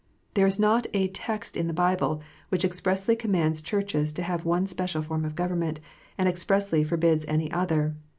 There is not a text in the Bible which expressly commands Churches to have one special form of government, and expressly forbids any other.